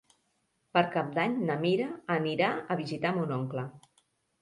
Per Cap d'Any na Mira anirà a visitar mon oncle.